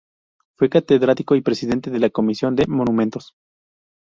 Fue catedrático y presidente de la comisión de Monumentos.